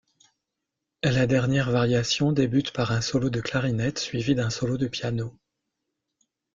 La dernière variation débute par un solo de clarinette suivi d'un solo de piano.